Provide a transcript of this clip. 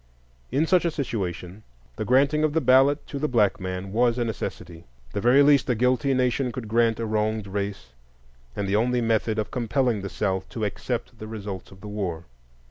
In such a situation, the granting of the ballot to the black man was a necessity, the very least a guilty nation could grant a wronged race, and the only method of compelling the South to accept the results of the war.